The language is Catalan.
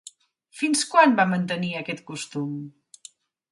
Fins quan va mantenir aquest costum?